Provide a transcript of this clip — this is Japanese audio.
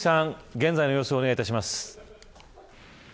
現在の様子をお願いいたします。